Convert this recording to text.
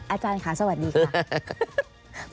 อาจารย์ค่ะสวัสดีค่ะ